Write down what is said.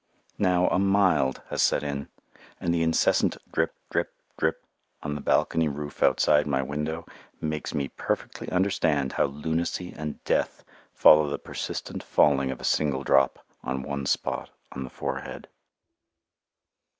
Now a "mild" has set in, and the incessant drip, drip, drip on the balcony roof outside my window makes me perfectly understand how lunacy and death follow the persistent falling of a single drop on one spot on the forehead.